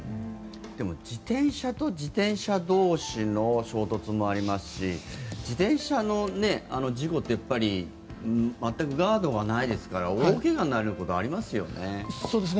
でも自転車と自転車同士の衝突もありますし自転車の事故ってやっぱり全くガードがないですから大怪我になることありますよね。